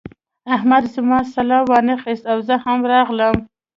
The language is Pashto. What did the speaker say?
احمد زما سلام وانخيست او زه هم راغلم.